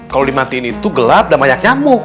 kalau dimatiin itu gelap dan banyak nyamuk